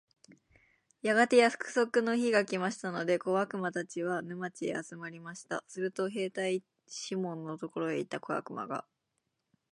やがて約束の日が来ましたので、小悪魔たちは、沼地へ集まりました。すると兵隊シモンのところへ行った小悪魔が、